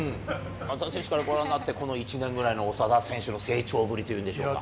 松田選手からご覧になって、この１年ぐらいの長田選手の成長ぶりというんでしょうか。